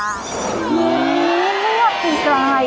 นี่เมื่อปีกลาย